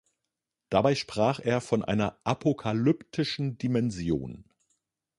Dabei sprach er von einer „apokalyptischen Dimension“.